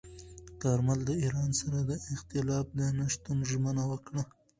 کارمل د ایران سره د اختلاف د نه شتون ژمنه وکړه.